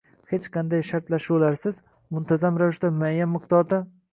• Hech qanday shartlashuvlarsiz muntazam ravishda muayyan miqdorda;